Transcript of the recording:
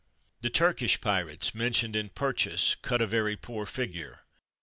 The Turkish pirates mentioned in " Purchas " cut a very poor figure.